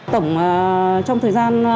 tổng trong thời gian